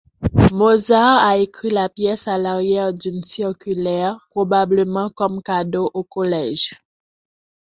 Mozart a écrit la pièce à l'arrière d'une circulaire probablement comme cadeau au Collège.